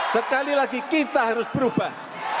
sekali lagi kita harus berubah